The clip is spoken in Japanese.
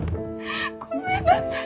ごめんなさい！